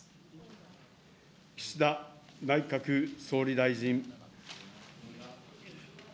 岸田内閣総理大臣。